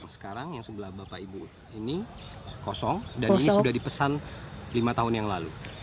sekarang yang sebelah bapak ibu ini kosong dan ini sudah dipesan lima tahun yang lalu